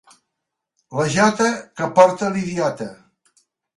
La jota que porta l'idiota.